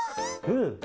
うん。